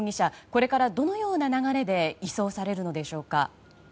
これからどのような流れで移送されるのでしょうか。